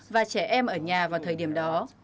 và trẻ em ở nhà vào thời điểm đó